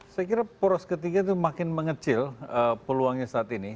saya kira poros ketiga itu makin mengecil peluangnya saat ini